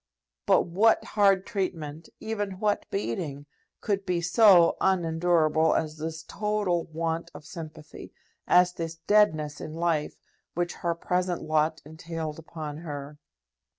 But what hard treatment, even what beating, could be so unendurable as this total want of sympathy, as this deadness in life, which her present lot entailed upon her?